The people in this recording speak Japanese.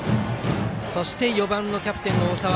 そして４番キャプテン大澤。